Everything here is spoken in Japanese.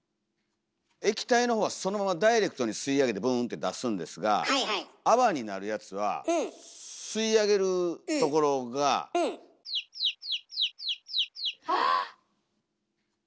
液体の方はそのままダイレクトに吸い上げてブーンって出すんですが泡になるやつは吸い上げるところがあっ！